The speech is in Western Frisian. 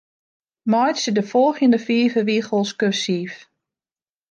Meitsje de folgjende fiif rigels kursyf.